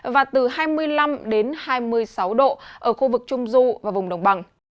và từ hai mươi năm hai mươi sáu độ ở khu vực trung du và vùng đồng bằng